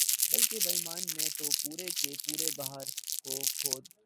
بلکہ بامیان میں تو پورے کے پورے پہاڑ کو کھود کر